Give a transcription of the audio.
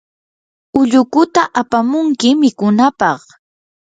ullukuta apamunki mikunapaq.